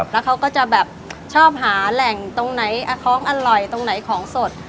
แล้วเขาก็จะแบบชอบหาแหล่งตรงไหนของอร่อยตรงไหนของสด